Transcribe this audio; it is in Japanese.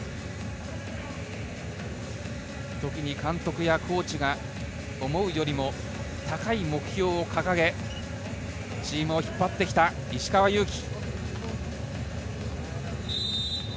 時に監督やコーチが思うよりも高い目標を掲げチームを引っ張ってきた石川祐希。